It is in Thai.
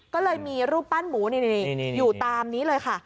ก็เลยมีรูปปั้นหมูนี่อยู่ตามนี้เลยค่ะ